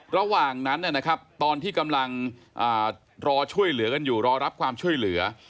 ระหว่างนั้นนะครับตอนที่กำลังรอช่วยเหลือกันอยู่รอรับความช่วยเหลือ